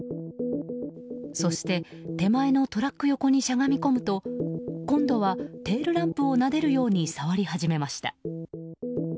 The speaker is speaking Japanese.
そして、手前のトラック横にしゃがみ込むと今度はテールランプをなでるように触り始めました。